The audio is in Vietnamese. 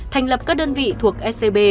thành lập các đơn vị thuộc scb